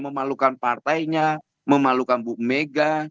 memalukan partainya memalukan bu mega